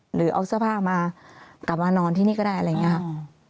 หรือเอาสภาพมากลับมานอนที่นี่ก็ได้อะไรอย่างนี้ครับ